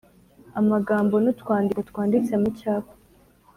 amagambo, n’utwandiko twanditse mu cyapa;